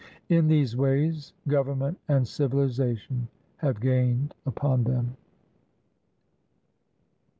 In these ways government and civilization have gained upon them.